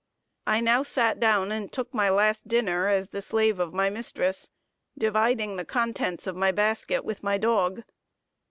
I now sat down and took my last dinner as the slave of my mistress, dividing the contents of my basket with my dog.